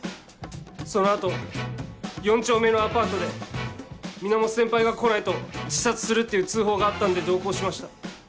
その後４丁目のアパートで源先輩が来ないと自殺するって通報があったんで同行しました。